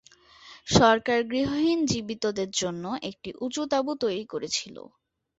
সরকার গৃহহীন জীবিতদের জন্য একটি উঁচু তাঁবু তৈরি করেছিল।